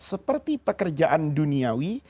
seperti pekerjaan duniawi